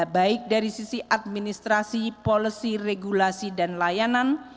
baik dari sisi administrasi policy regulasi dan layanan